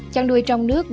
chăn đuôi trong nước